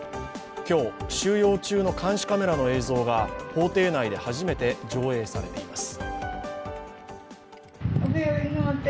今日、収容中の監視カメラの映像が法廷内で初めて上映されています。